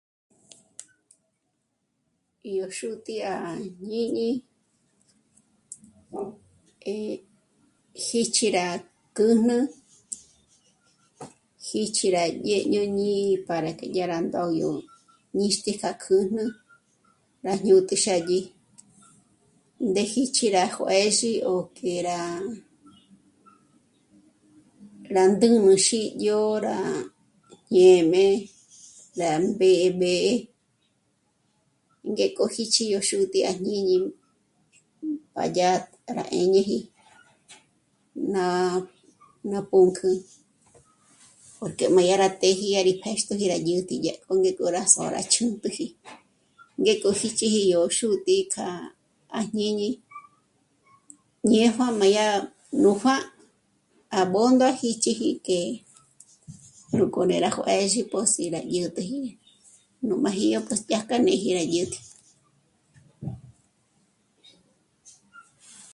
Yó xútǐ'i à jñíñi, eh... jíchi rá kǚjnü, jíchi rá ñé ñòñi para que yá rá ndô yó... ñíxti ja kjǚjnü rá jñút'i xë́dyi, ndé jíchi rá juë̌zhi o k'e rá... rá ndùjmüxi yó rá yéjme, rá mběb'e ngék'o jíchi yo xútǐ'i à jñíñi, b'àdya rá 'éñeji ná... ná púnk'ü porque má yá rá t'ë́ji yá rí pèxtjoji rá yä̀t'ä yá póngéko rá s'ó'o ra ch'úntüji. Ngék'o xíchiji yó xútǐ'i k'a... à jñíñi ñéjo má dyá nú pjà'a à b'ö́ndaji jíchiji k'e, núk'o né'e rá juë̌zhi pòs'i rá yä̀t'äji nú màji yó dyáka néji rá yä̀t'ä